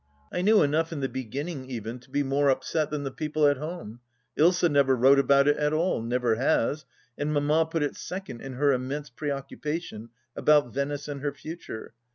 I knew enough, in the beginning even, to be more upset than the people at home. Ilsa never wrote about it at all — never has — and Mamma put it second in her immense pre occupation about Venice and her future.